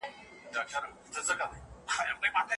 له یتیمانو سره ښه چلند وکړئ.